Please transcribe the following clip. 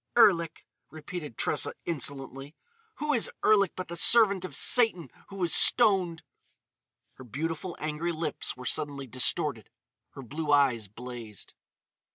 "Erlik!" repeated Tressa insolently. "Who is Erlik but the servant of Satan who was stoned?" Her beautiful, angry lips were suddenly distorted; her blue eyes blazed.